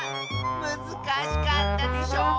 むずかしかったでしょう？